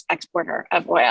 terbesar di dunia